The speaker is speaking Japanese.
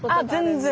全然。